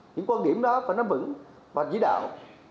những quan điểm đó phải nắm vững và chỉ đạo